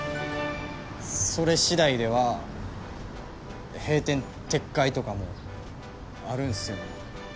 それしだいでは閉店撤回とかもあるんすよね？